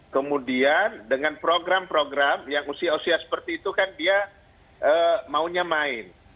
kemudian dengan program program yang usia usia seperti itu kan dia maunya main